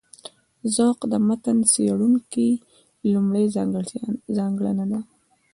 ذوق د متن څېړونکي لومړۍ ځانګړنه ده.